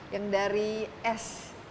yang dari es